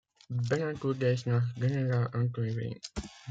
Benannt wurde es nach General Anthony Wayne.